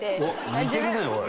似てるねおい。